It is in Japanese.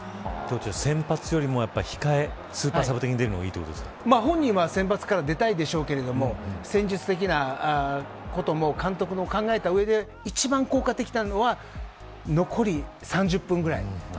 先発よりも控えスーパーサブ的に出るのが本人は先発から出たでしょうけど戦術的なことも監督が考えた上で一番効果的なのは残り３０分ぐらい。